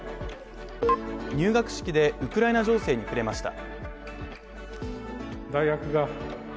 入学式でウクライナ情勢に触れました。